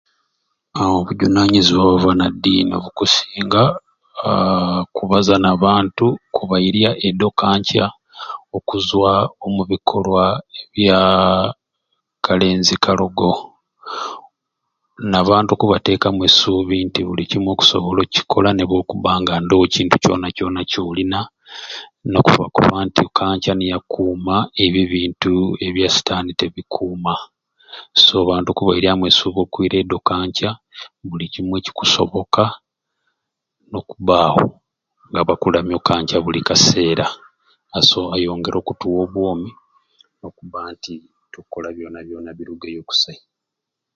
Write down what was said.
Aa obuvunanyizibwa obwa banaddiini obukusinga aa kubaza na bantu, kubairya edi ewa kanca okuzwa omu bikolwa ebyaaa kalenzi kalogo n'abantu okubiteekamu esuubi nti buli kimwe okusobola okukikola newankubba nga ndoowo kintu kyoona kyoona kyolina n'okufuna okumanya nti okanca niye akukuuma n'ebyo ebintu ebya sitaani tebikuuma so abantu okubairyamu esuubi okwira edi okanca buli kimwe kikusiboka okubbaawo nga abakuramya o kanca byanjawulo buli kaseera aso ayongere okuttuwa obwoomi okubba nti tukkola byoona byoona birugeyo kusai.